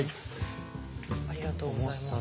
ありがとうございます。